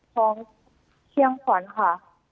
ของเคียงฝันค่ะ